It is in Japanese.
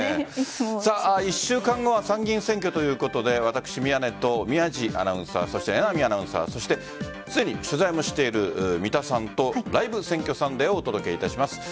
１週間後は参議院選挙ということで私、宮根と宮司アナウンサー榎並アナウンサーそしてすでに取材もしている三田さんと「Ｌｉｖｅ選挙サンデー」をお届けいたします。